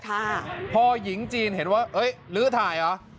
พ่อหญิงจีนเห็นว่าเอ้ยลื้อถ่ายเหรอ